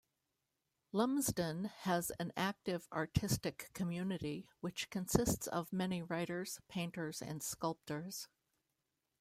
Lumsden has an active artistic community, which consists of many writers, painters and sculptors.